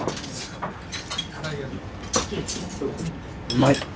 うまいっ。